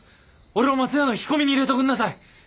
俺を松屋の引き込みに入れておくんなさい！